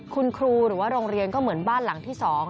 คุณครูหรือว่าโรงเรียนก็เหมือนบ้านหลังที่๒